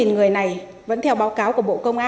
ba mươi một người này vẫn theo báo cáo